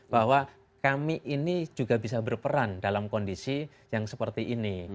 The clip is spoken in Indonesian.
bahwa kami ini juga bisa berperan dalam kondisi yang seperti ini